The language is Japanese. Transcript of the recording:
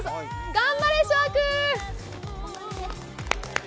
頑張れ、翔海君！